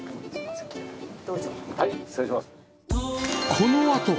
このあとは